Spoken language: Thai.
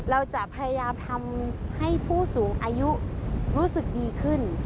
เราจะพยายามทำให้ผู้สูงอายุรู้สึกดีขึ้น